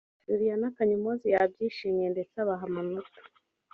Juliana Kanyomozi yabyishimiye ndetse abaha amanota